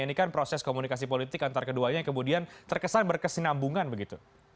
ini kan proses komunikasi politik antara keduanya yang kemudian terkesan berkesinambungan begitu